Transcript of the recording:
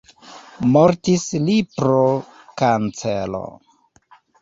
Mortis li pro kancero.